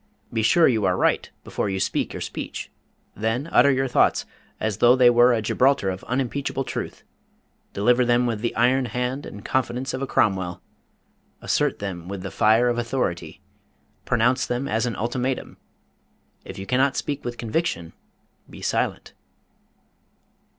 Be sure you are right before you speak your speech, then utter your thoughts as though they were a Gibraltar of unimpeachable truth. Deliver them with the iron hand and confidence of a Cromwell. Assert them with the fire of authority. Pronounce them as an ultimatum. If you cannot speak with conviction, be silent.